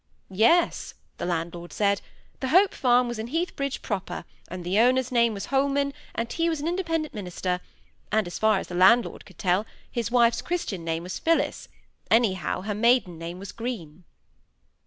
"Yes," the landlord said, "the Hope Farm was in Heathbridge proper, and the owner's name was Holman, and he was an Independent minister, and, as far as the landlord could tell, his wife's Christian name was Phillis, anyhow her maiden name was Green."